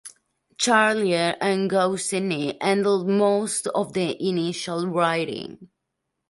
Charlier and Goscinny handled most of the initial writing.